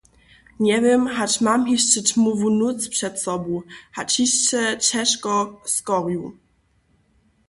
Njewěm, hač mam hišće ćmowu nóc před sobu, hač hišće ćežko schorju.